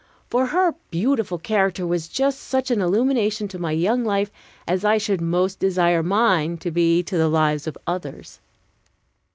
For her beautiful character was just such an illumination to my young life as I should most desire mine to be to the lives of others.